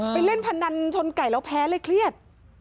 เล่นพนันชนไก่แล้วแพ้เลยเครียด